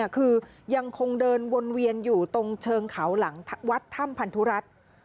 คือยังคงเดินวนเวียนอยู่ตรงเชิงเขาหลังวัดถ้ำพันธุรัตน์